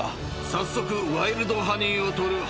［早速ワイルドハニーを採る］